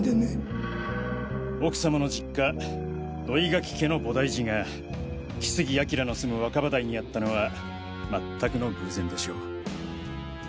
現在奥様の実家土井垣家の菩提寺が木杉彬の住む若葉台にあったのは全くの偶然でしょう。